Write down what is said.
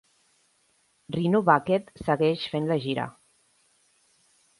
Rhino Bucket segueix fent la gira.